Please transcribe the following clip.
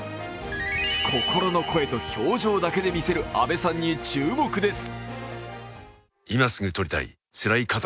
心の声と表情だけで見せる阿部さんに注目です。